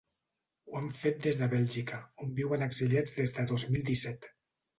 Ho han fet des de Bèlgica, on viuen exiliats des de dos mil disset.